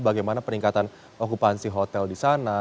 bagaimana peningkatan okupansi hotel di sana